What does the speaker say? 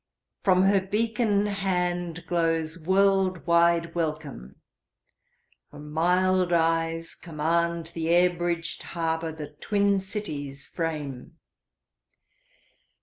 From her beacon handGlows world wide welcome; her mild eyes commandThe air bridged harbour that twin cities frame.